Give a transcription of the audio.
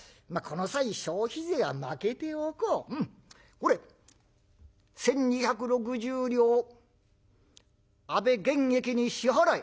ほれ１，２６０両阿部玄益に支払え」。